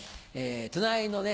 隣のね